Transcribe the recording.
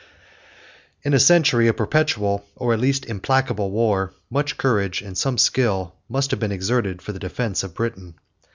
In a century of perpetual, or at least implacable, war, much courage, and some skill, must have been exerted for the defence of Britain.